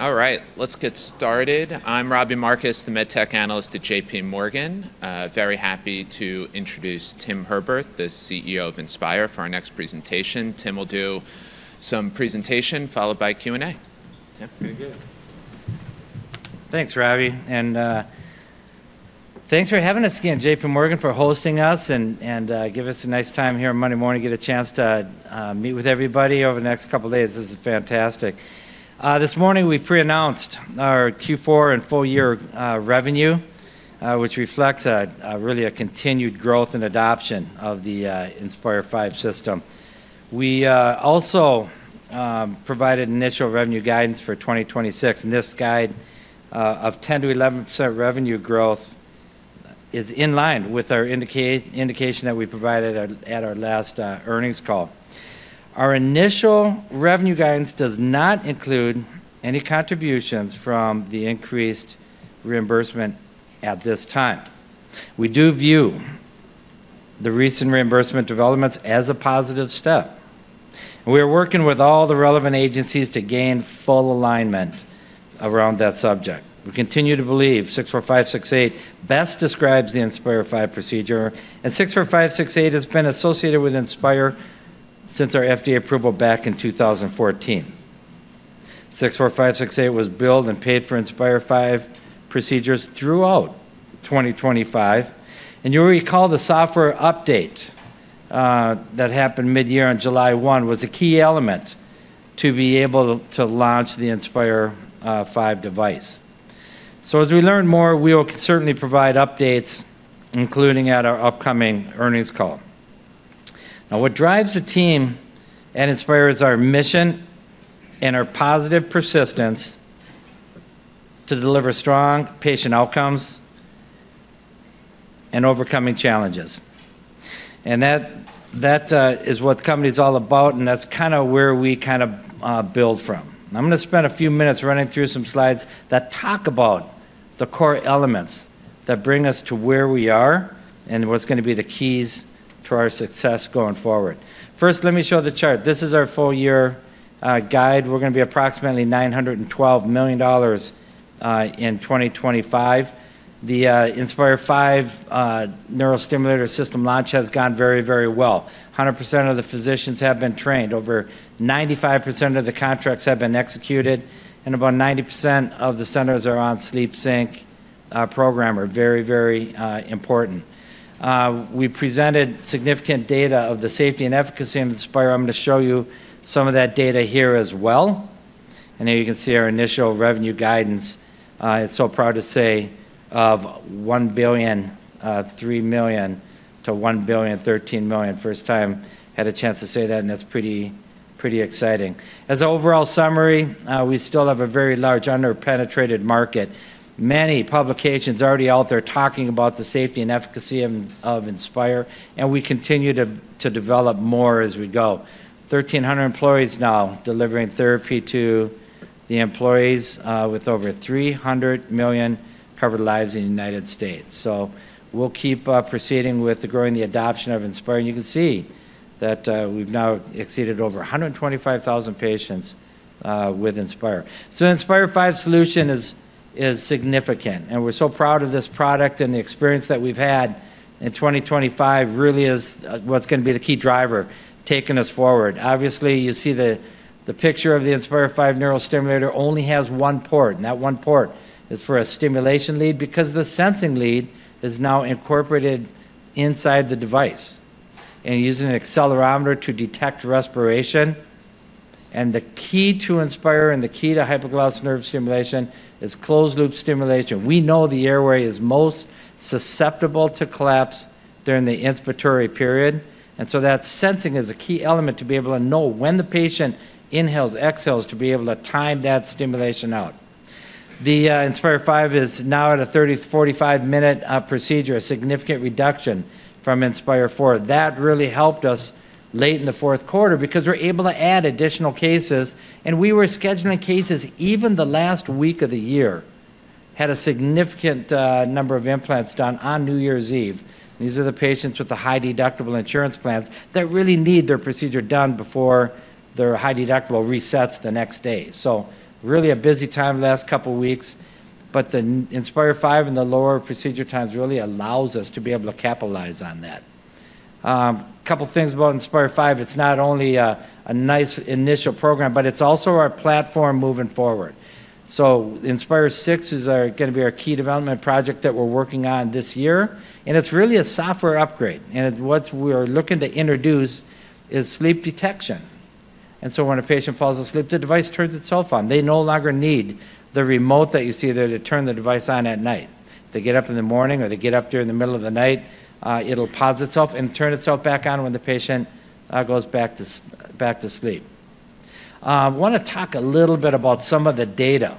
All right, let's get started. I'm Robbie Marcus, the MedTech analyst at JPMorgan. Very happy to introduce Tim Herbert, the CEO of Inspire, for our next presentation. Tim will do some presentation followed by Q&A. Tim. Very good. Thanks, Robbie. And thanks for having us again, J.P. Morgan, for hosting us and giving us a nice time here on Monday morning, get a chance to meet with everybody over the next couple of days. This is fantastic. This morning we pre-announced our Q4 and full-year revenue, which reflects really a continued growth and adoption of the Inspire V system. We also provided initial revenue guidance for 2026, and this guide of 10%-11% revenue growth is in line with our indication that we provided at our last earnings call. Our initial revenue guidance does not include any contributions from the increased reimbursement at this time. We do view the recent reimbursement developments as a positive step. We are working with all the relevant agencies to gain full alignment around that subject. We continue to believe 64568 best describes the Inspire V procedure, and 64568 has been associated with Inspire since our FDA approval back in 2014. 64568 was billed and paid for Inspire V procedures throughout 2025. And you'll recall the software update that happened mid-year on July 1 was a key element to be able to launch the Inspire V device. So as we learn more, we will certainly provide updates, including at our upcoming earnings call. Now, what drives the team at Inspire is our mission and our positive persistence to deliver strong patient outcomes and overcoming challenges. And that is what the company is all about, and that's kind of where we kind of build from. I'm going to spend a few minutes running through some slides that talk about the core elements that bring us to where we are and what's going to be the keys to our success going forward. First, let me show the chart. This is our full-year guide. We're going to be approximately $912 million in 2025. The Inspire V neurostimulator system launch has gone very, very well. 100% of the physicians have been trained, over 95% of the contracts have been executed, and about 90% of the centers are on SleepSync program, very, very important. We presented significant data of the safety and efficacy of Inspire. I'm going to show you some of that data here as well, and here you can see our initial revenue guidance. It's so proud to say of $1.3 million-$1.13 million. First time I had a chance to say that, and that's pretty exciting. As an overall summary, we still have a very large under-penetrated market. Many publications are already out there talking about the safety and efficacy of Inspire, and we continue to develop more as we go. 1,300 employees now delivering therapy to patients with over 300 million covered lives in the United States. So we'll keep proceeding with growing the adoption of Inspire. And you can see that we've now exceeded over 125,000 patients with Inspire. So the Inspire V solution is significant, and we're so proud of this product and the experience that we've had in 2025 really is what's going to be the key driver taking us forward. Obviously, you see the picture of the Inspire V neurostimulator only has one port, and that one port is for a stimulation lead because the sensing lead is now incorporated inside the device and using an accelerometer to detect respiration. And the key to Inspire and the key to hypoglossal nerve stimulation is closed-loop stimulation. We know the airway is most susceptible to collapse during the inspiratory period. And so that sensing is a key element to be able to know when the patient inhales, exhales to be able to time that stimulation out. The Inspire V is now at a 30-45-minute procedure, a significant reduction from Inspire IV. That really helped us late in the fourth quarter because we're able to add additional cases. And we were scheduling cases even the last week of the year, had a significant number of implants done on New Year's Eve. These are the patients with the high-deductible insurance plans that really need their procedure done before their high-deductible resets the next day, so really a busy time the last couple of weeks, but the Inspire V and the lower procedure times really allow us to be able to capitalize on that. A couple of things about Inspire V, it's not only a nice initial program, but it's also our platform moving forward, so Inspire VI is going to be our key development project that we're working on this year, and it's really a software upgrade, and what we are looking to introduce is sleep detection, and so when a patient falls asleep, the device turns itself on. They no longer need the remote that you see there to turn the device on at night. They get up in the morning or they get up there in the middle of the night, it'll pause itself and turn itself back on when the patient goes back to sleep. I want to talk a little bit about some of the data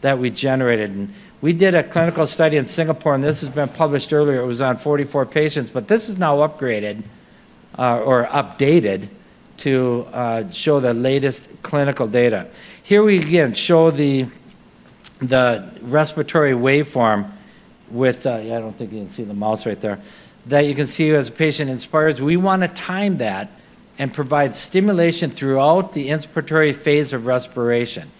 that we generated. We did a clinical study in Singapore, and this has been published earlier. It was on 44 patients, but this is now upgraded or updated to show the latest clinical data. Here we again show the respiratory waveform with, I don't think you can see the mouse right there, that you can see as a patient inspires. We want to time that and provide stimulation throughout the inspiratory phase of respiration,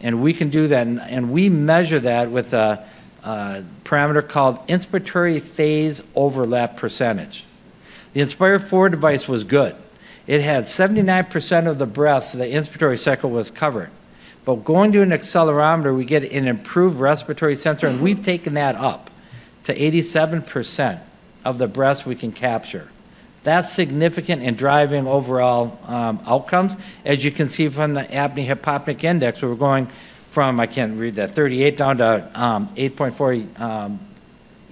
and we can do that. We measure that with a parameter called inspiratory phase overlap percentage. The Inspire IV device was good. It had 79% of the breath, so the inspiratory cycle was covered. But going to an accelerometer, we get an improved respiratory sensor, and we've taken that up to 87% of the breath we can capture. That's significant and driving overall outcomes. As you can see from the apnea-hypopnea index, we were going from, I can't read that, 38 down to 8.4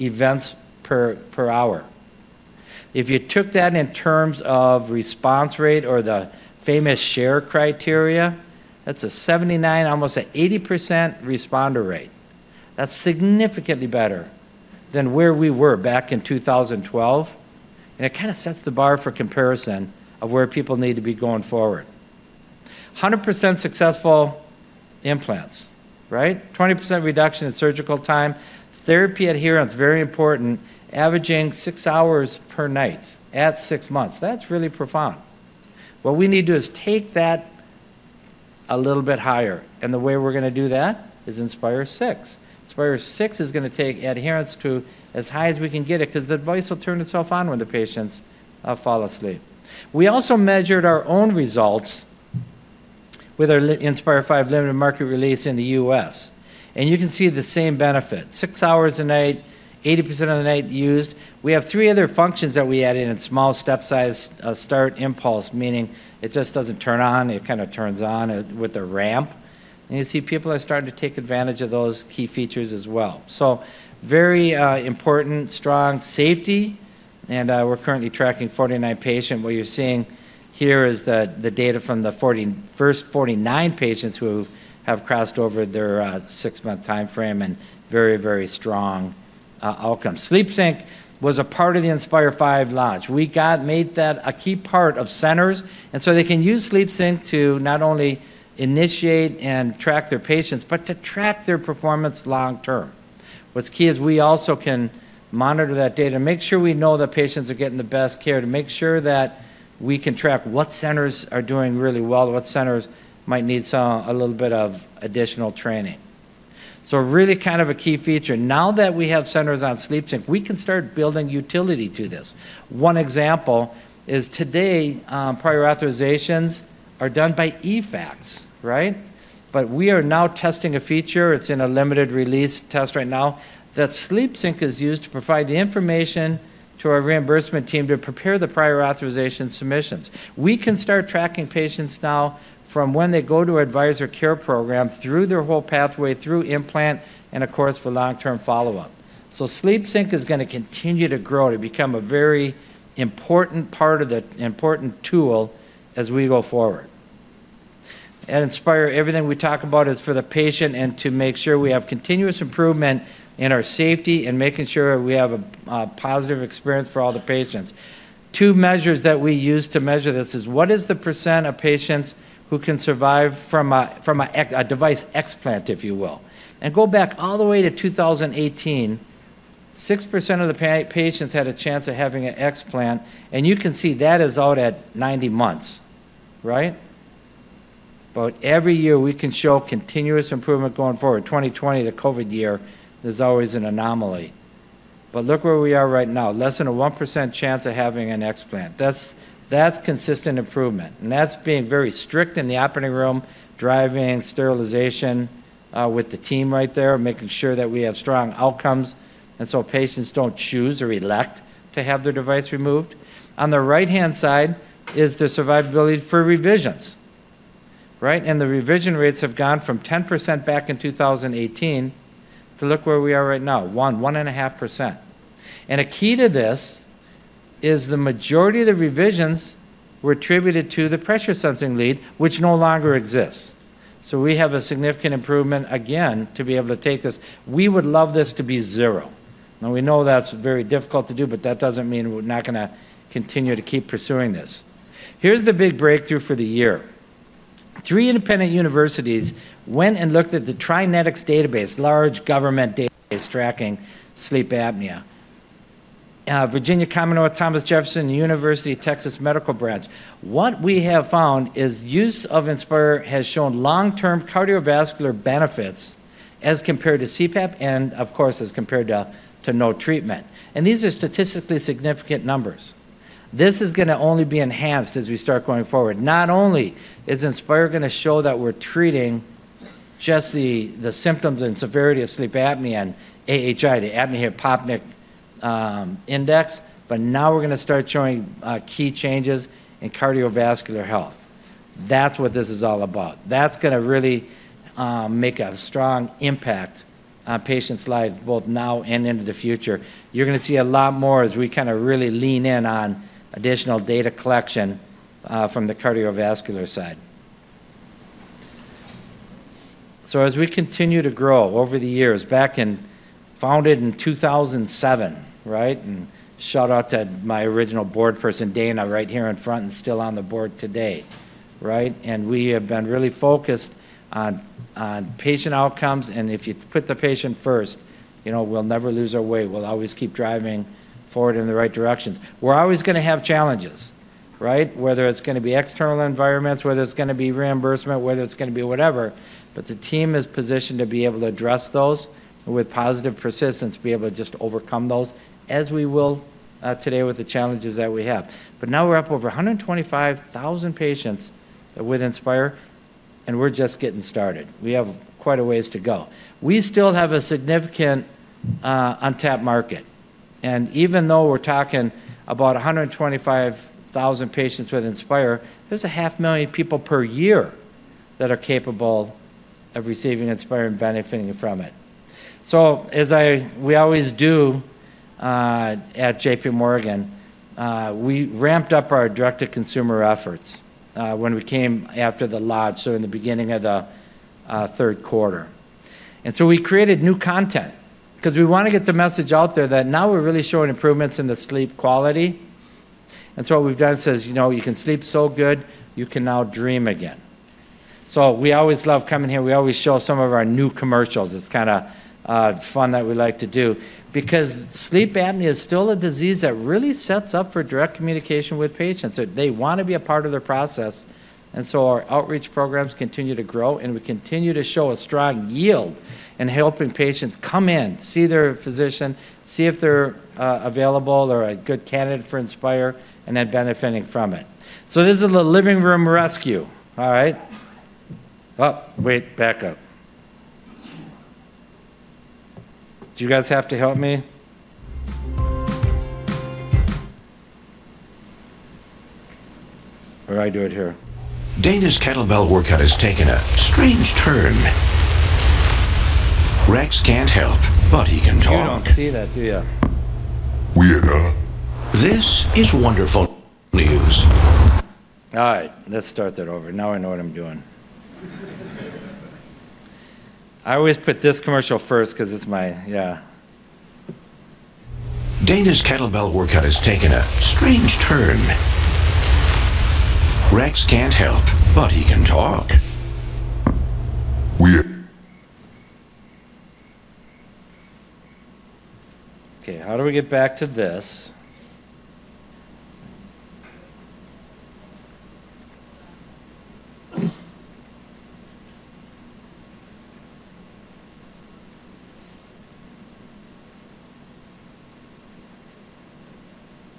events per hour. If you took that in terms of response rate or the famous Sher criteria, that's a 79%, almost an 80% responder rate. That's significantly better than where we were back in 2012, and it kind of sets the bar for comparison of where people need to be going forward. 100% successful implants, right? 20% reduction in surgical time. Therapy adherence, very important. Averaging six hours per night at six months. That's really profound. What we need to do is take that a little bit higher. And the way we're going to do that is Inspire VI. Inspire VI is going to take adherence to as high as we can get it because the device will turn itself on when the patients fall asleep. We also measured our own results with our Inspire V limited market release in the US. And you can see the same benefit. Six hours a night, 80% of the night used. We have three other functions that we added in small step-sized start impulse, meaning it just doesn't turn on. It kind of turns on with a ramp. And you see people are starting to take advantage of those key features as well. So very important, strong safety. And we're currently tracking 49 patients. What you're seeing here is the data from the first 49 patients who have crossed over their six-month timeframe and very, very strong outcomes. SleepSync was a part of the Inspire V launch. We made that a key part of centers, and so they can use SleepSync to not only initiate and track their patients, but to track their performance long-term. What's key is we also can monitor that data and make sure we know that patients are getting the best care to make sure that we can track what centers are doing really well, what centers might need a little bit of additional training, so really kind of a key feature. Now that we have centers on SleepSync, we can start building utility to this. One example is today prior authorizations are done by eFax, right, but we are now testing a feature. It's in a limited release test right now that SleepSync is used to provide the information to our reimbursement team to prepare the prior authorization submissions. We can start tracking patients now from when they go to our Advisor Care Program through their whole pathway, through implant, and of course for long-term follow-up, so SleepSync is going to continue to grow to become a very important part of the important tool as we go forward. At Inspire, everything we talk about is for the patient and to make sure we have continuous improvement in our safety and making sure we have a positive experience for all the patients. Two measures that we use to measure this is what is the percent of patients who can survive from a device explant, if you will, and go back all the way to 2018, 6% of the patients had a chance of having an explant, and you can see that is out at 90 months, right, but every year we can show continuous improvement going forward. 2020, the COVID year, there's always an anomaly. But look where we are right now, less than a 1% chance of having an explant. That's consistent improvement. And that's being very strict in the operating room, driving, sterilization with the team right there, making sure that we have strong outcomes. And so patients don't choose or elect to have their device removed. On the right-hand side is the survivability for revisions, right? And the revision rates have gone from 10% back in 2018 to look where we are right now, 1-1.5%. And a key to this is the majority of the revisions were attributed to the pressure sensing lead, which no longer exists. So we have a significant improvement again to be able to take this. We would love this to be zero. Now we know that's very difficult to do, but that doesn't mean we're not going to continue to keep pursuing this. Here's the big breakthrough for the year. Three independent universities went and looked at the TriNetX database, large government database tracking sleep apnea. Virginia Commonwealth University, Thomas Jefferson University, University of Texas Medical Branch. What we have found is use of Inspire has shown long-term cardiovascular benefits as compared to CPAP and of course as compared to no treatment, and these are statistically significant numbers. This is going to only be enhanced as we start going forward. Not only is Inspire going to show that we're treating just the symptoms and severity of sleep apnea and AHI, the apnea-hypopnea index, but now we're going to start showing key changes in cardiovascular health. That's what this is all about. That's going to really make a strong impact on patients' lives both now and into the future. You're going to see a lot more as we kind of really lean in on additional data collection from the cardiovascular side. So as we continue to grow over the years, back in founded in 2007, right? And shout out to my original board person, Dana, right here in front and still on the board today, right? And we have been really focused on patient outcomes. And if you put the patient first, we'll never lose our way. We'll always keep driving forward in the right directions. We're always going to have challenges, right? Whether it's going to be external environments, whether it's going to be reimbursement, whether it's going to be whatever. But the team is positioned to be able to address those with positive persistence, be able to just overcome those as we will today with the challenges that we have. But now we're up over 125,000 patients with Inspire, and we're just getting started. We have quite a ways to go. We still have a significant untapped market. And even though we're talking about 125,000 patients with Inspire, there's 500,000 people per year that are capable of receiving Inspire and benefiting from it. So as we always do at J.P. Morgan, we ramped up our direct-to-consumer efforts when we came after the launch, so in the beginning of the third quarter. And so we created new content because we want to get the message out there that now we're really showing improvements in the sleep quality. And so what we've done says, "You know, you can sleep so good, you can now dream again." So we always love coming here. We always show some of our new commercials. It's kind of fun that we like to do because sleep apnea is still a disease that really sets up for direct communication with patients. They want to be a part of the process. And so our outreach programs continue to grow, and we continue to show a strong yield in helping patients come in, see their physician, see if they're available or a good candidate for Inspire, and then benefiting from it. So this is the living room rescue, all right? Oh, wait, back up. Do you guys have to help me? Where do I do it here? Dana's kettlebell workout has taken a strange turn. Rex can't help, but he can talk. You don't see that, do you? Weirdo. This is wonderful news. All right, let's start that over. Now I know what I'm doing. I always put this commercial first because it's my, yeah. Dana's kettlebell workout has taken a strange turn. Rex can't help, but he can talk. Weirdo. Okay, how do we get back to this? Okay,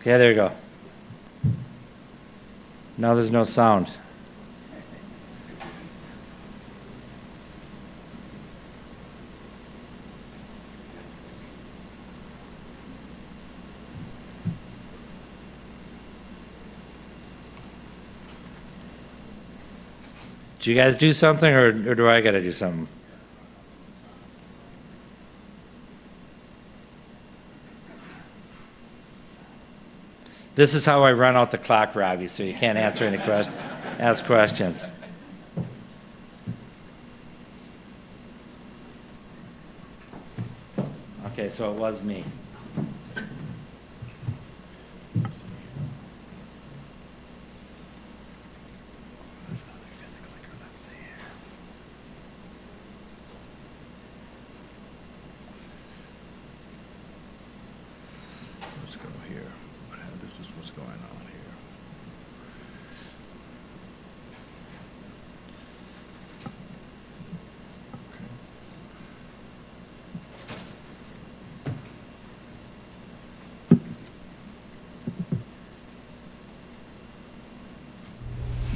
there you go. Now there's no sound. Do you guys do something or do I get to do something? This is how I run out the clock, Robbie, so you can't answer any questions. Okay, so it was me.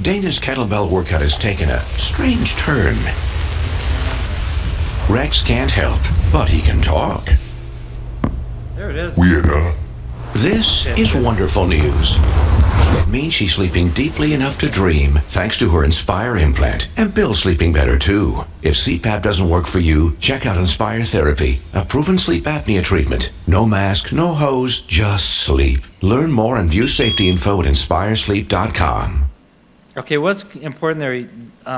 Let's see. Let's go here. This is what's going on here. Okay. Dana's kettlebell workout has taken a strange turn. Rex can't help, but he can talk. There it is. Weirdo. This is wonderful news. It means she's sleeping deeply enough to dream thanks to her Inspire implant and Bill's sleeping better too. If CPAP doesn't work for you, check out Inspire Therapy, a proven sleep apnea treatment. No mask, no hose, just sleep. Learn more and view safety info at inspiresleep.com. Okay, what's important there,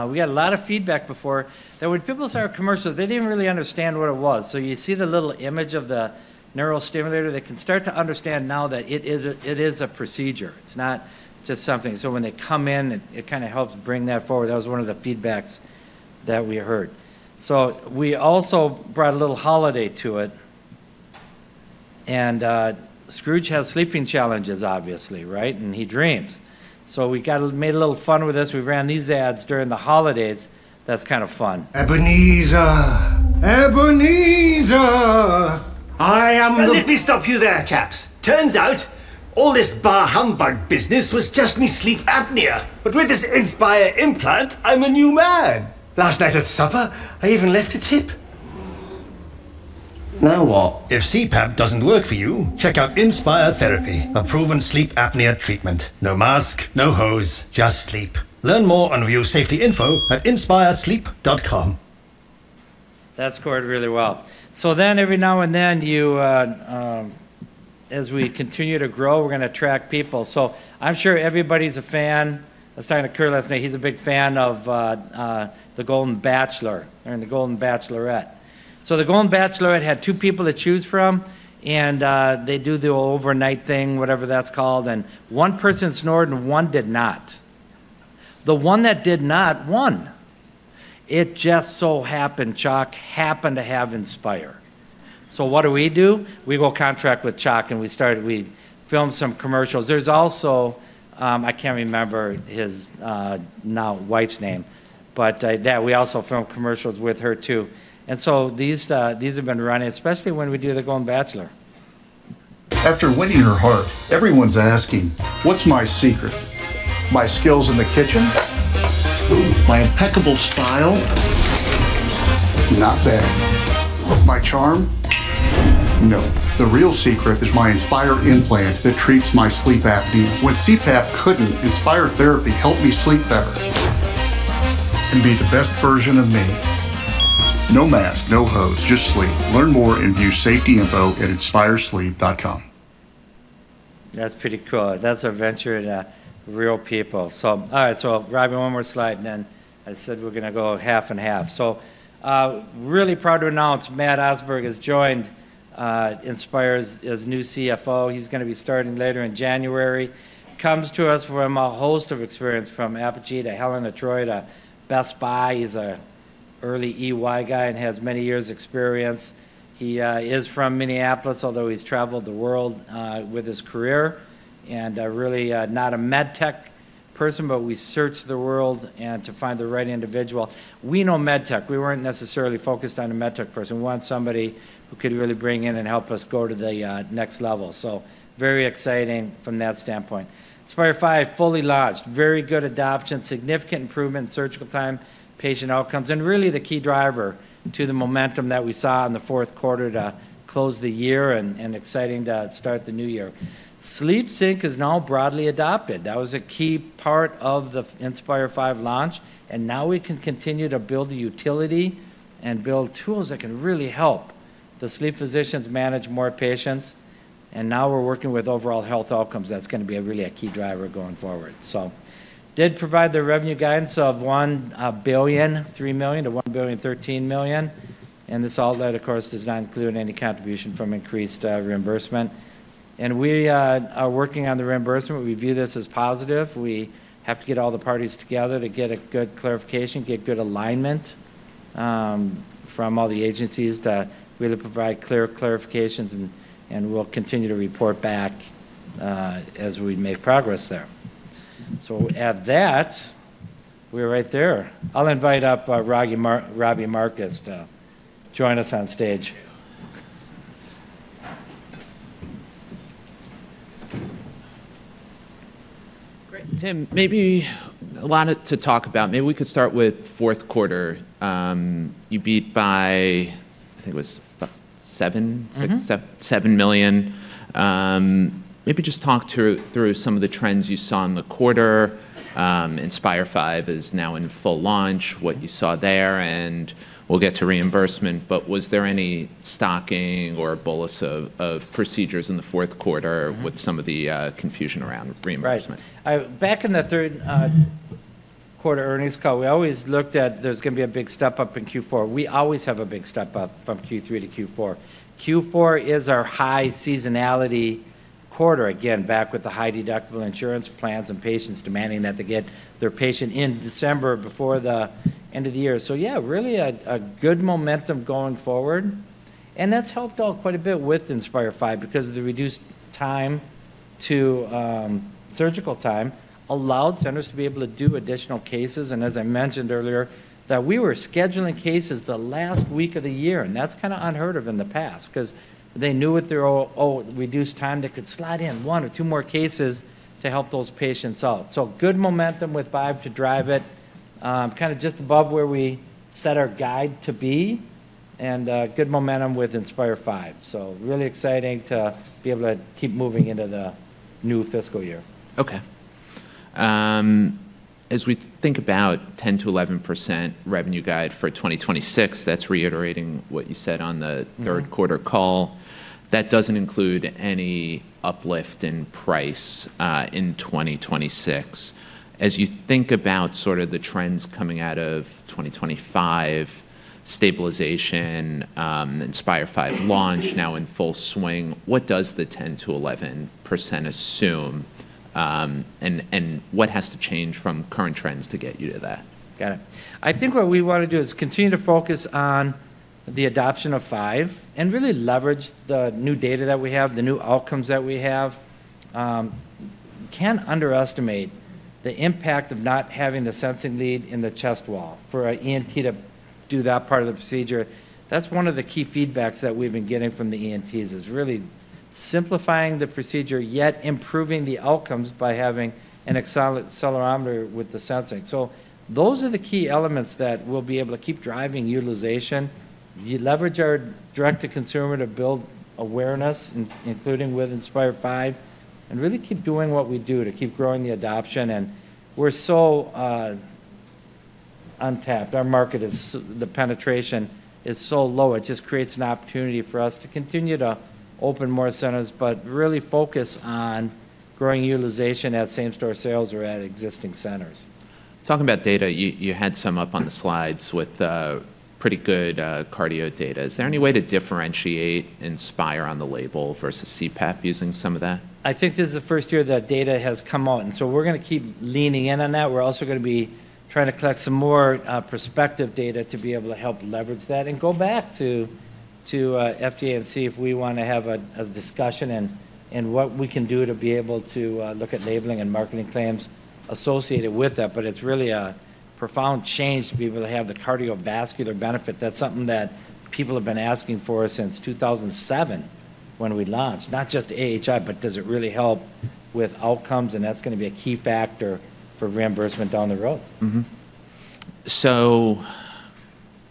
we got a lot of feedback before that when people saw our commercials, they didn't really understand what it was. So you see the little image of the neurostimulator, they can start to understand now that it is a procedure. It's not just something. So when they come in, it kind of helps bring that forward. That was one of the feedbacks that we heard. So we also brought a little holiday to it. And Scrooge has sleeping challenges, obviously, right? And he dreams. So we made a little fun with this. We ran these ads during the holidays. That's kind of fun. Ebenezer, Ebenezer. I am the... Let me stop you there, chaps. Turns out all this bah humbug business was just my sleep apnea. But with this Inspire implant, I'm a new man. Last night at supper, I even left a tip. Now what? If CPAP doesn't work for you, check out Inspire Therapy, a proven sleep apnea treatment. No mask, no hose, just sleep. Learn more and view safety info at inspiresleep.com. That's scored really well. So then every now and then, as we continue to grow, we're going to attract people. So I'm sure everybody's a fan. I was talking to Kurt last night. He's a big fan of the Golden Bachelor and the Golden Bachelorette. So the Golden Bachelorette had two people to choose from, and they do the overnight thing, whatever that's called. And one person snored and one did not. The one that did not won. It just so happened, Chuck happened to have Inspire. So what do we do? We go contract with Chuck and we started, we filmed some commercials. There's also, I can't remember his now-wife's name, but we also filmed commercials with her too. And so these have been running, especially when we do the Golden Bachelor. After winning her heart, everyone's asking, what's my secret? My skills in the kitchen? My impeccable style? Not bad. My charm? No. The real secret is my Inspire implant that treats my sleep apnea. When CPAP couldn't, Inspire Therapy helped me sleep better and be the best version of me. No mask, no hose, just sleep. Learn more and view safety info at inspiresleep.com. That's pretty cool. That's an adventure with real people. So, all right, so Robbie, one more slide, and then I said we're going to go half and half. So really proud to announce Matt Osberg has joined Inspire as new CFO. He's going to be starting later in January. Comes to us from a host of experience from Apogee to Helen of Troy at Best Buy. He's an early EY guy and has many years' experience. He is from Minneapolis, although he's traveled the world with his career. And really not a med tech person, but we searched the world to find the right individual. We know med tech. We weren't necessarily focused on a med tech person. We want somebody who could really bring in and help us go to the next level. So very exciting from that standpoint. Inspire V fully launched. Very good adoption, significant improvement in surgical time, patient outcomes, and really the key driver to the momentum that we saw in the fourth quarter to close the year and exciting to start the new year. SleepSync is now broadly adopted, that was a key part of the Inspire V launch, and now we can continue to build the utility and build tools that can really help the sleep physicians manage more patients, and now we're working with overall health outcomes. That's going to be really a key driver going forward so did provide the revenue guidance of $1.003 billion-$1.013 billion, and this all that, of course, does not include any contribution from increased reimbursement, and we are working on the reimbursement. We view this as positive. We have to get all the parties together to get a good clarification, get good alignment from all the agencies to really provide clear clarifications. And we'll continue to report back as we make progress there. So at that, we're right there. I'll invite up Robbie Marcus to join us on stage. Great. Tim, maybe a lot to talk about. Maybe we could start with fourth quarter. You beat by, I think it was $7 million. Maybe just talk through some of the trends you saw in the quarter. Inspire V is now in full launch, what you saw there, and we'll get to reimbursement. But was there any stocking or bolus of procedures in the fourth quarter with some of the confusion around reimbursement? Right. Back in the third quarter earnings call, we always looked at there's going to be a big step up in Q4. We always have a big step up from Q3 to Q4. Q4 is our high seasonality quarter. Again, back with the high deductible insurance plans and patients demanding that they get their patient in December before the end of the year. So yeah, really a good momentum going forward. And that's helped out quite a bit with Inspire V because of the reduced time to surgical time allowed centers to be able to do additional cases. And as I mentioned earlier, that we were scheduling cases the last week of the year. And that's kind of unheard of in the past because they knew with their reduced time, they could slide in one or two more cases to help those patients out. So good momentum with Five to drive it. Kind of just above where we set our guide to be and good momentum with Inspire V. So really exciting to be able to keep moving into the new fiscal year. Okay. As we think about 10%-11% revenue guide for 2026, that's reiterating what you said on the third quarter call. That doesn't include any uplift in price in 2026. As you think about sort of the trends coming out of 2025, stabilization, Inspire V launch now in full swing, what does the 10%-11% assume? And what has to change from current trends to get you to that? Got it. I think what we want to do is continue to focus on the adoption of 5 and really leverage the new data that we have, the new outcomes that we have. Can't underestimate the impact of not having the sensing lead in the chest wall for an ENT to do that part of the procedure. That's one of the key feedbacks that we've been getting from the ENTs is really simplifying the procedure, yet improving the outcomes by having an accelerometer with the sensing. So those are the key elements that we'll be able to keep driving utilization. You leverage our direct-to-consumer to build awareness, including with Inspire V, and really keep doing what we do to keep growing the adoption. And we're so untapped. Our market is, the penetration is so low. It just creates an opportunity for us to continue to open more centers, but really focus on growing utilization at same-store sales or at existing centers. Talking about data, you had some up on the slides with pretty good cardio data. Is there any way to differentiate Inspire on the label versus CPAP using some of that? I think this is the first year that data has come out. And so we're going to keep leaning in on that. We're also going to be trying to collect some more prospective data to be able to help leverage that and go back to FDA and see if we want to have a discussion and what we can do to be able to look at labeling and marketing claims associated with that. But it's really a profound change to be able to have the cardiovascular benefit. That's something that people have been asking for since 2007 when we launched, not just AHI, but does it really help with outcomes? And that's going to be a key factor for reimbursement down the road. So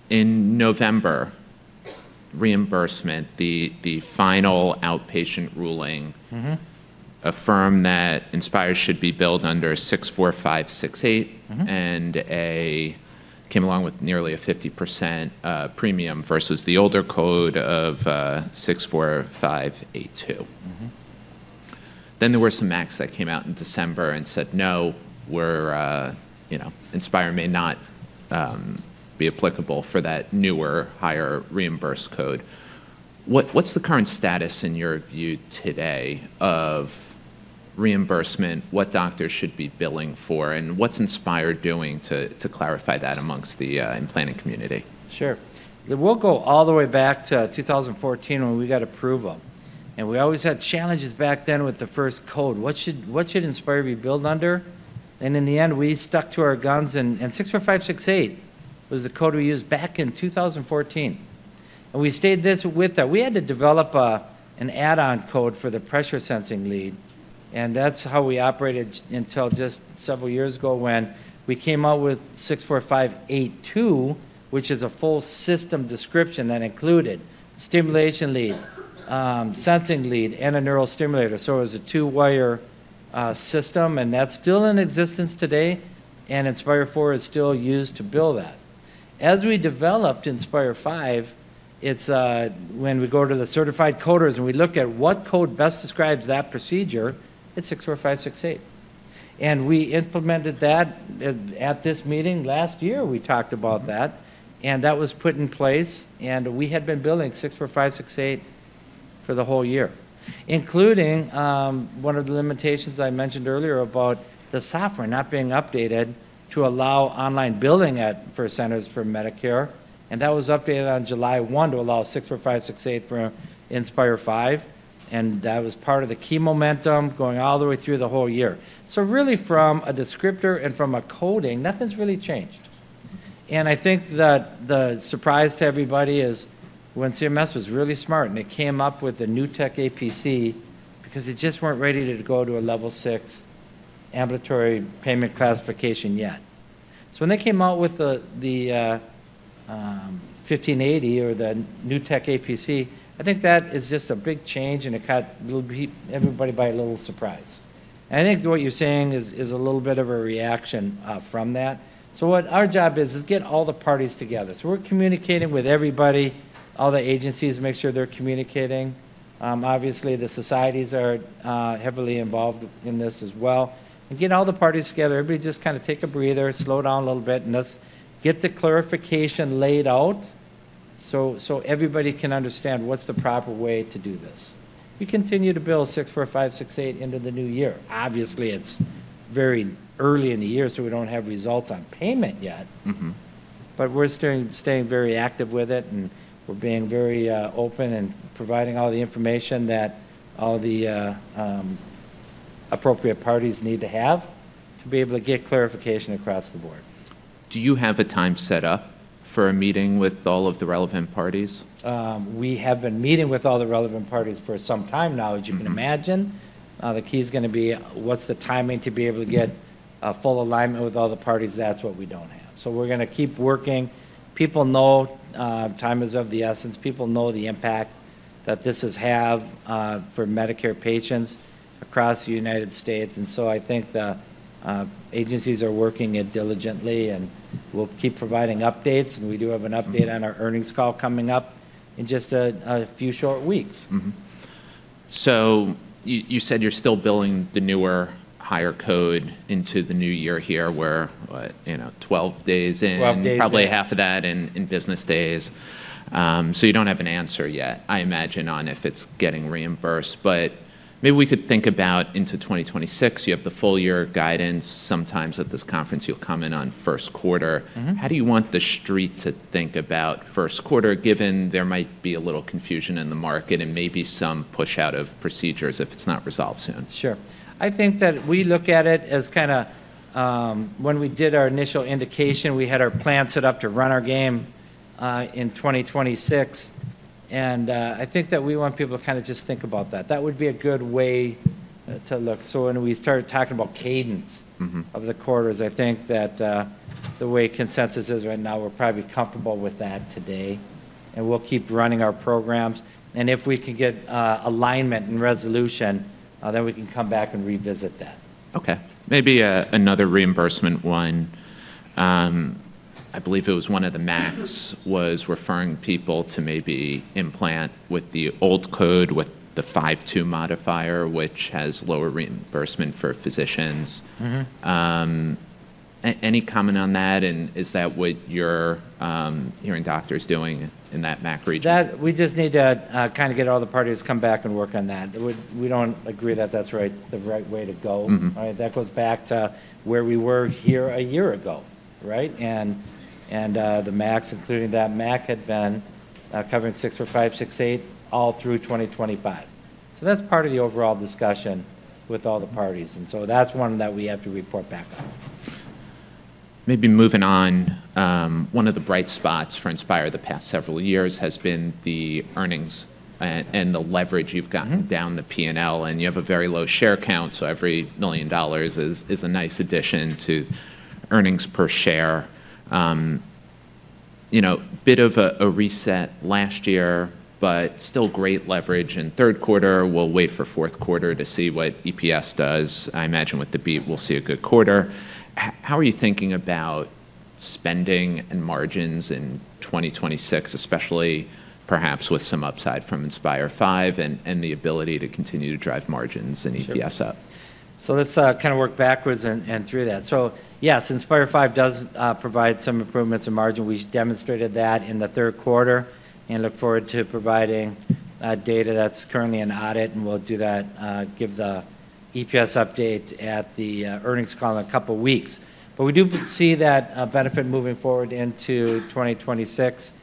in November, reimbursement, the final outpatient ruling affirmed that Inspire should be billed under 64568 and came along with nearly a 50% premium versus the older code of 64582. There were some acts that came out in December and said, no, Inspire may not be applicable for that newer higher reimbursed code. What's the current status in your view today of reimbursement, what doctors should be billing for, and what's Inspire doing to clarify that amongst the implanting community? Sure. We'll go all the way back to 2014 when we got approval. We always had challenges back then with the first code. What should Inspire be billed under? In the end, we stuck to our guns. 64568 was the code we used back in 2014. We stayed with that. We had to develop an add-on code for the pressure sensing lead. That's how we operated until just several years ago when we came out with 64582, which is a full system description that included stimulation lead, sensing lead, and a neurostimulator. So it was a two-wire system, and that's still in existence today. And Inspire IV is still used to bill that. As we developed Inspire V, when we go to the certified coders and we look at what code best describes that procedure, it's 64568. And we implemented that at this meeting last year. We talked about that. And that was put in place. And we had been building 64568 for the whole year, including one of the limitations I mentioned earlier about the software not being updated to allow online billing for centers for Medicare. And that was updated on July 1 to allow 64568 for Inspire V. And that was part of the key momentum going all the way through the whole year. So really from a descriptor and from a coding, nothing's really changed. And I think that the surprise to everybody is when CMS was really smart and they came up with a new tech APC because they just weren't ready to go to a level six ambulatory payment classification yet. So when they came out with the 1580 or the new tech APC, I think that is just a big change and it caught everybody by a little surprise. And I think what you're saying is a little bit of a reaction from that. So what our job is is to get all the parties together. So we're communicating with everybody, all the agencies, make sure they're communicating. Obviously, the societies are heavily involved in this as well. And get all the parties together. Everybody just kind of take a breather, slow down a little bit, and let's get the clarification laid out so everybody can understand what's the proper way to do this. We continue to bill 64568 into the new year. Obviously, it's very early in the year, so we don't have results on payment yet. But we're staying very active with it, and we're being very open and providing all the information that all the appropriate parties need to have to be able to get clarification across the board. Do you have a time set up for a meeting with all of the relevant parties? We have been meeting with all the relevant parties for some time now, as you can imagine. The key is going to be what's the timing to be able to get full alignment with all the parties. That's what we don't have. So we're going to keep working. People know time is of the essence. People know the impact that this has had for Medicare patients across the United States. And so I think the agencies are working diligently, and we'll keep providing updates. And we do have an update on our earnings call coming up in just a few short weeks. So you said you're still billing the newer higher code into the new year here where 12 days in, probably half of that in business days. So you don't have an answer yet, I imagine, on if it's getting reimbursed. But maybe we could think about into 2026. You have the full year guidance. Sometimes at this conference, you'll come in on first quarter. How do you want the street to think about first quarter, given there might be a little confusion in the market and maybe some push out of procedures if it's not resolved soon? Sure. I think that we look at it as kind of, when we did our initial indication, we had our plan set up to run our game in 2026. And I think that we want people to kind of just think about that. That would be a good way to look. So when we started talking about cadence of the quarters, I think that the way consensus is right now, we're probably comfortable with that today. And we'll keep running our programs. And if we can get alignment and resolution, then we can come back and revisit that. Okay. Maybe another reimbursement one. I believe it was one of the MACs was referring people to maybe implant with the old code with the 52 modifier, which has lower reimbursement for physicians. Any comment on that? And is that what you're hearing doctors doing in that MAC region? We just need to kind of get all the parties to come back and work on that. We don't agree that that's the right way to go. That goes back to where we were here a year ago, right? And the MACs, including that MAC, had been covering 64568 all through 2025. So that's part of the overall discussion with all the parties. And so that's one that we have to report back on. Maybe moving on, one of the bright spots for Inspire the past several years has been the earnings and the leverage you've gotten down the P&L. You have a very low share count. So every $1 million is a nice addition to earnings per share. Bit of a reset last year, but still great leverage. And third quarter, we'll wait for fourth quarter to see what EPS does. I imagine with the beat, we'll see a good quarter. How are you thinking about spending and margins in 2026, especially perhaps with some upside from Inspire V and the ability to continue to drive margins and EPS up? So let's kind of work backwards and through that. So yes, Inspire V does provide some improvements in margin. We demonstrated that in the third quarter and look forward to providing data that's currently in audit. And we'll do that, give the EPS update at the earnings call in a couple of weeks. But we do see that benefit moving forward into 2026.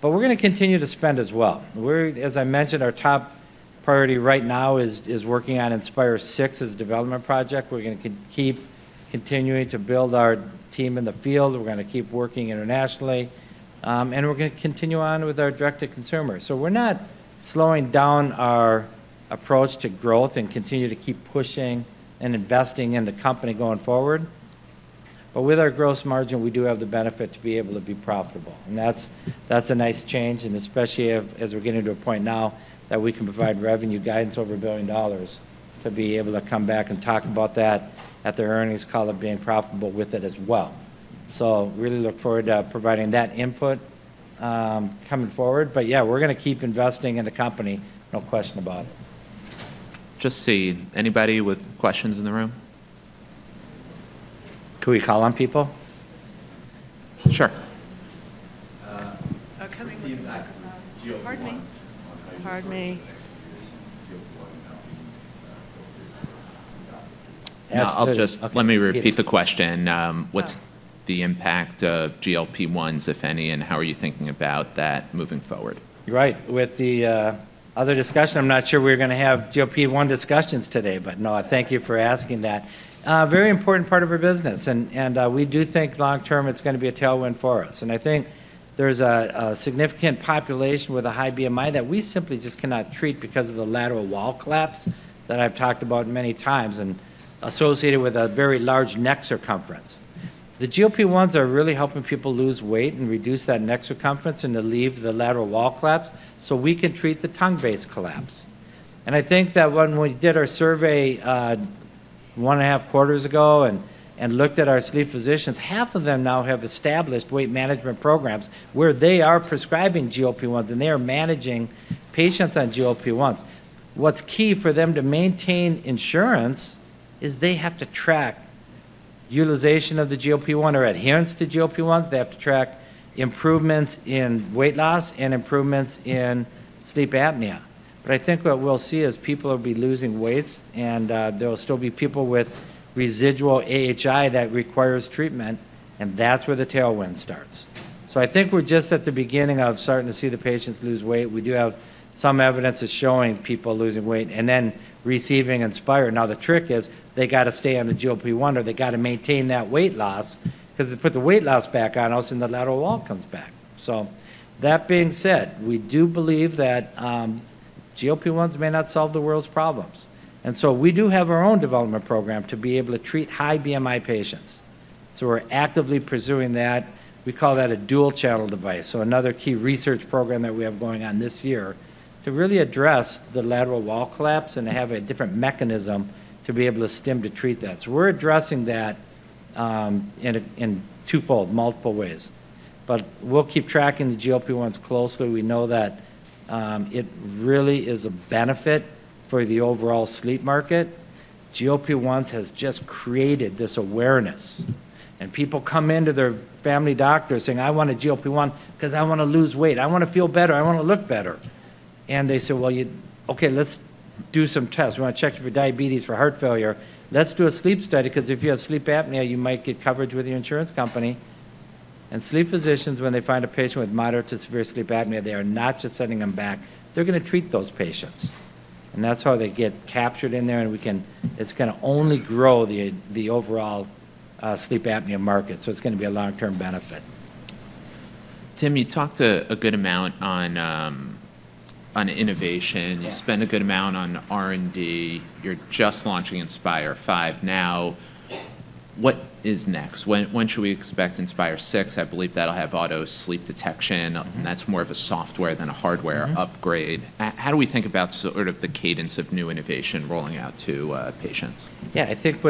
But we're going to continue to spend as well. As I mentioned, our top priority right now is working on Inspire VI as a development project. We're going to keep continuing to build our team in the field. We're going to keep working internationally. And we're going to continue on with our direct-to-consumer. So we're not slowing down our approach to growth and continue to keep pushing and investing in the company going forward. But with our gross margin, we do have the benefit to be able to be profitable. And that's a nice change. And especially as we're getting to a point now that we can provide revenue guidance over $1 billion to be able to come back and talk about that at their earnings call of being profitable with it as well. So really look forward to providing that input coming forward. But yeah, we're going to keep investing in the company, no question about it. Just see anybody with questions in the room? Can we call on people? Sure. Pardon me. I'll just let me repeat the question. What's the impact of GLP-1s, if any, and how are you thinking about that moving forward? Right. With the other discussion, I'm not sure we're going to have GLP-1 discussions today, but no, thank you for asking that. Very important part of our business. And we do think long-term it's going to be a tailwind for us. And I think there's a significant population with a high BMI that we simply just cannot treat because of the lateral wall collapse that I've talked about many times and associated with a very large neck circumference. The GLP-1s are really helping people lose weight and reduce that neck circumference and to relieve the lateral wall collapse so we can treat the tongue base collapse. And I think that when we did our survey one and a half quarters ago and looked at our sleep physicians, half of them now have established weight management programs where they are prescribing GLP-1s and they are managing patients on GLP-1s. What's key for them to maintain insurance is they have to track utilization of the GLP-1 or adherence to GLP-1s. They have to track improvements in weight loss and improvements in sleep apnea. But I think what we'll see is people will be losing weight and there will still be people with residual AHI that requires treatment. And that's where the tailwind starts. So I think we're just at the beginning of starting to see the patients lose weight. We do have some evidence of showing people losing weight and then receiving Inspire. Now, the trick is they got to stay on the GLP-1 or they got to maintain that weight loss because they put the weight loss back on us and the lateral wall comes back. So that being said, we do believe that GLP-1s may not solve the world's problems, and so we do have our own development program to be able to treat high BMI patients. So we're actively pursuing that. We call that a dual-channel device. So another key research program that we have going on this year to really address the lateral wall collapse and have a different mechanism to be able to stim to treat that. So we're addressing that in twofold, multiple ways, but we'll keep tracking the GLP-1s closely. We know that it really is a benefit for the overall sleep market. GLP-1s has just created this awareness, and people come into their family doctor saying, "I want a GLP-1 because I want to lose weight. I want to feel better. I want to look better," and they say, "Well, okay, let's do some tests. We want to check for diabetes, for heart failure. Let's do a sleep study because if you have sleep apnea, you might get coverage with your insurance company," and sleep physicians, when they find a patient with moderate to severe sleep apnea, they are not just sending them back. They're going to treat those patients, and that's how they get captured in there, and it's going to only grow the overall sleep apnea market, so it's going to be a long-term benefit. Tim, you talked a good amount on innovation. You spent a good amount on R&D. You're just launching Inspire V now. What is next? When should we expect Inspire VI? I believe that'll have auto sleep detection. That's more of a software than a hardware upgrade. How do we think about sort of the cadence of new innovation rolling out to patients? Yeah, I think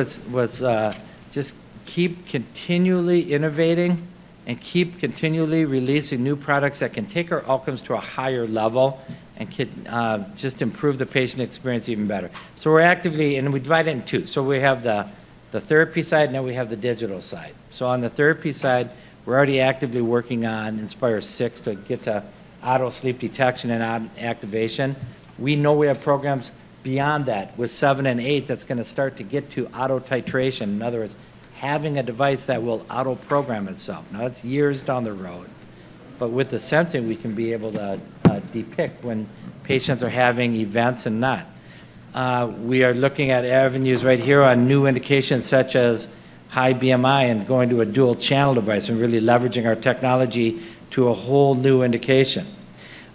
just keep continually innovating and keep continually releasing new products that can take our outcomes to a higher level and just improve the patient experience even better. So we're actively, and we divide it in two. So we have the therapy side and then we have the digital side. So on the therapy side, we're already actively working on Inspire VI to get to auto sleep detection and activation. We know we have programs beyond that with 7 and 8 that's going to start to get to auto titration. In other words, having a device that will auto program itself. Now, that's years down the road. But with the sensing, we can be able to detect when patients are having events and not. We are looking at avenues right here on new indications such as high BMI and going to a dual-channel device and really leveraging our technology to a whole new indication.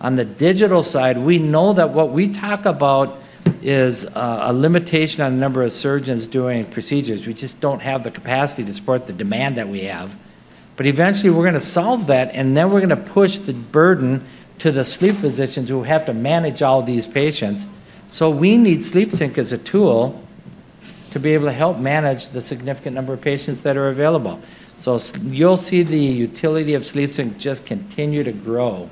On the digital side, we know that what we talk about is a limitation on the number of surgeons doing procedures. We just don't have the capacity to support the demand that we have. But eventually, we're going to solve that, and then we're going to push the burden to the sleep physicians who have to manage all these patients. So we need SleepSync as a tool to be able to help manage the significant number of patients that are available. So you'll see the utility of SleepSync just continue to grow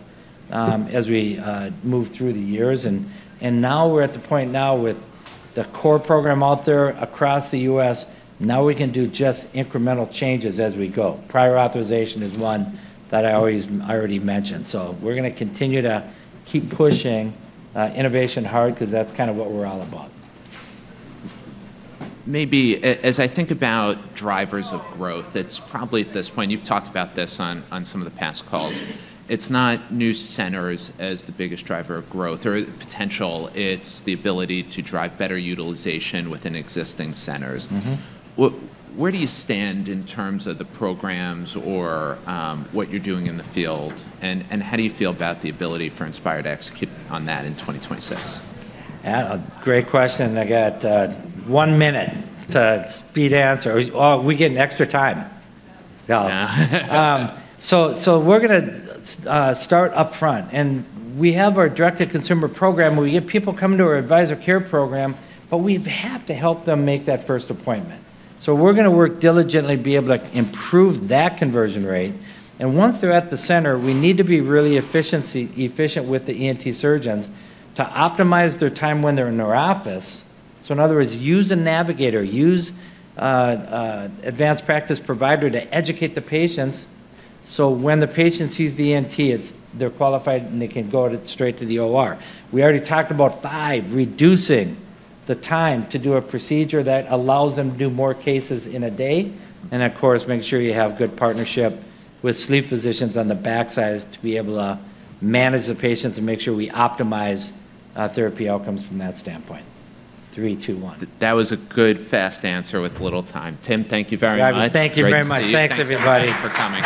as we move through the years. And now we're at the point now with the core program out there across the U.S. Now we can do just incremental changes as we go. Prior authorization is one that I already mentioned. So we're going to continue to keep pushing innovation hard because that's kind of what we're all about. Maybe as I think about drivers of growth, it's probably at this point, you've talked about this on some of the past calls. It's not new centers as the biggest driver of growth or potential. It's the ability to drive better utilization within existing centers. Where do you stand in terms of the programs or what you're doing in the field? And how do you feel about the ability for Inspire to execute on that in 2026? Great question. I got one minute to speed answer. We get an extra time, so we're going to start up front and we have our direct-to-consumer program where we get people coming to our Advisor Care Program, but we have to help them make that first appointment so we're going to work diligently to be able to improve that conversion rate and once they're at the center, we need to be really efficient with the ENT surgeons to optimize their time when they're in our office so in other words, use a navigator, use advanced practice provider to educate the patients so when the patient sees the ENT, they're qualified and they can go straight to the OR. We already talked about five, reducing the time to do a procedure that allows them to do more cases in a day. And of course, make sure you have good partnership with sleep physicians on the backside to be able to manage the patients and make sure we optimize therapy outcomes from that standpoint. Three, two, one. That was a good fast answer with little time. Tim, thank you very much. Thank you very much. Thanks, everybody, for coming.